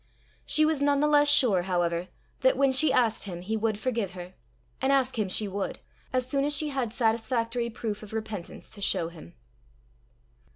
She was none the less sure, however, that when she asked him he would forgive her; and ask him she would, as soon as she had satisfactory proof of repentance to show him.